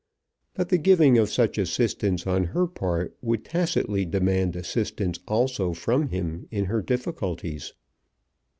But the giving of such assistance on her part would tacitly demand assistance also from him in her difficulties.